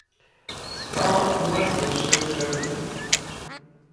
Справа адбылася яшчэ ў чэрвені.